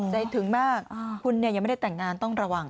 อ๋อใจถึงมากคุณเนี่ยยังไม่ได้แต่งงานต้องระวัง